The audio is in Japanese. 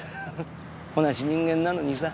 同じ人間なのにさ。